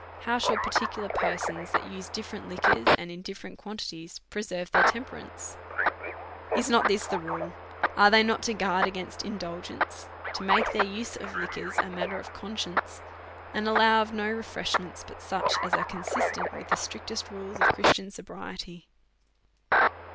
How shall particular persons, that use different liquors, and in different quantities, preserve their temperance ? Is not this the rule ? Are they not to guard against indulgence, to make their use of liquors a matter of conscience, and to allow of no refreshments but such as are consistent with the strictest rules of Christian pobriety